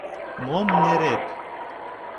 — Мом нерет?